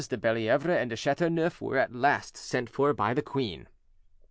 de Bellievre and de Chateauneuf were at last sent for by the queen.